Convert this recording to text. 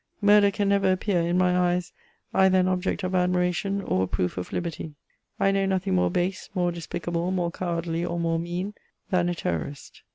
Murder can never appear, in my eyes, either an object of admiration or a proof of liberty. I know nothing more base, more despicable, more cowardly or more mean than a Terrorist.